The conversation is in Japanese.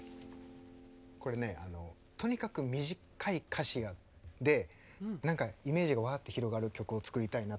これねとにかく短い歌詞で何かイメージがわあって広がる曲を作りたいなと思って作りました。